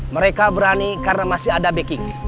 mereka berani karena masih ada backing